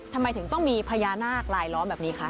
ทำไมถึงต้องมีพญานาคลายล้อมแบบนี้คะ